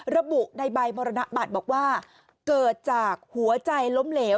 ระบุในใบมรณบัตรบอกว่าเกิดจากหัวใจล้มเหลว